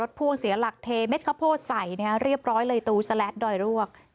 เหลือหลักเทเม็ดข้าโพดใสเรียบร้อยเลยตูสลัดดรอยลวก